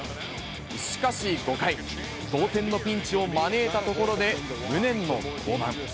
しかし、５回、同点のピンチを招いたところで無念の降板。